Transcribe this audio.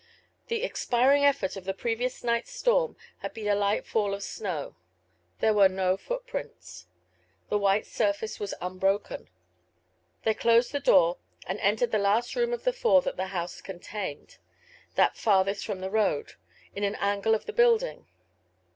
The expiring effort of the previous nightŌĆÖs storm had been a light fall of snow; there were no footprints; the white surface was unbroken. They closed the door and entered the last room of the four that the house containedŌĆöthat farthest from the road, in an angle of the building.